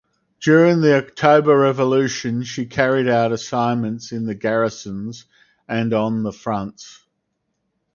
During the October Revolution she carried out assignments in garrisons and on the fronts.